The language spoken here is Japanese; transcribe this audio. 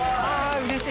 うれしい。